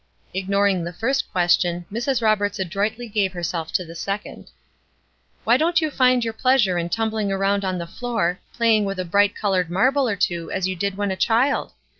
Ignoring the first question, Mrs. Roberts adroitly gave herself to the second. "Why don't you find your pleasure in tumbling around on the floor, playing with a bright colored marble or two as you did when a child?